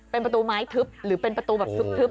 เป็นประตูไม้ทึบหรือเป็นประตูแบบทึบ